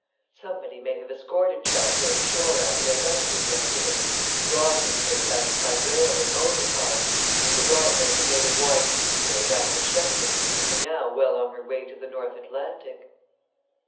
Somebody may have escorted Chatfield ashore after they left you yesterday, brought him hereabouts by rail or motor car, and the yacht may have made a wide detour round the Shetlands and be now well on her way to the North Atlantic."